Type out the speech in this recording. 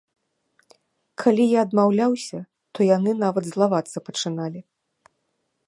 Калі я адмаўляўся, то яны нават злавацца пачыналі.